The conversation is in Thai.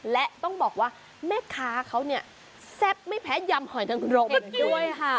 และต้องบอกว่าแม่ค้าเขาเนี่ยแซ่บไม่แพ้ยำหอยนังกรงอีกด้วยค่ะ